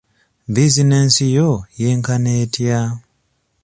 Bizinensi yo yenkana etya?